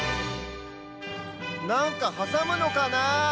なんかはさむのかなあ？